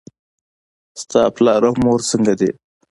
ستا پلار او مور څنګه دي؟